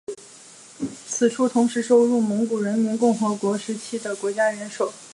此处同时收录蒙古人民共和国时期的国家元首。